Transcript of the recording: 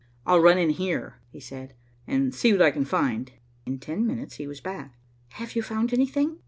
"I'll run in here," he said, "and see what I can find." In ten minutes he was back. "Have you found anything?"